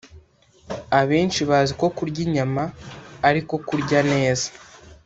Abenshi bazi ko kurya inyama ariko kurya neza